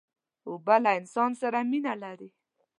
اوبه له انسان سره مینه لري.